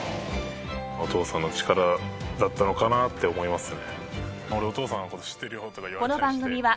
お父さんの力だったのかなって思いますね。